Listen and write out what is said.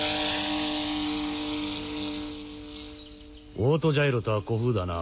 オートジャイロとは古風だな。